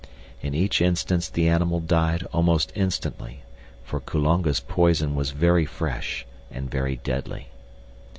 In each instance the animal died almost instantly, for Kulonga's poison was very fresh and very deadly.